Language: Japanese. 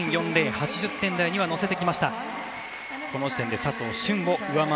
８０点台には乗せてきました。